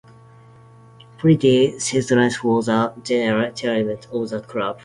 Pretty situation for the general chairman of the Club.